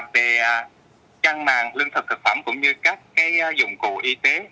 về trang mạng lương thực thực phẩm cũng như các dụng cụ y tế